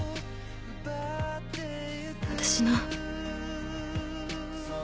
私の。